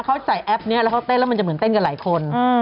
เขาใส่แอปป์นี้เขาเต้นแล้วเหมือนจะเต้นกับหลายคน